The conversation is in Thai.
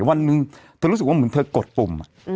วันหนึ่งเธอรู้สึกว่าเหมือนเธอกดปุ่ม